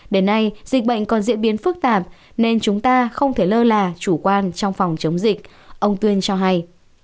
đến nay dịch bệnh còn diễn biến phức tạp nên chúng ta không thể lơ là chủ quan trong phòng chống dịch ông tuyên cho hay